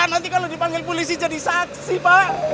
nanti kalau dipanggil polisi jadi saksi pak